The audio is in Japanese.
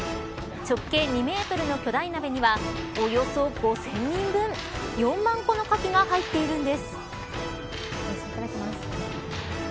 直径２メートルの巨大鍋にはおよそ５０００人分４万個のかきが入っているんです。